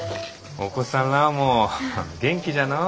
お子さんらあも元気じゃのう。